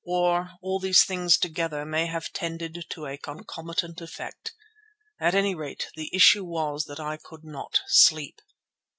Or all these things together may have tended to a concomitant effect. At any rate the issue was that I could not sleep.